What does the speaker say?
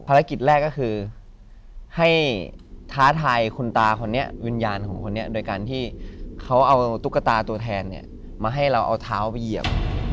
ภารกิจแรกก็คือให้ท้าทายคุณตาคนนี้วิญญาณของคนนี้โดยการที่เขาเอาตุ๊กตาตัวแทนมาให้เราเอาเท้าไปเหยียบ